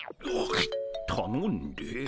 たのんで？